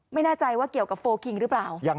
ไม่แน่ใจว่าเกี่ยวกับโฟลคิงหรือเปล่า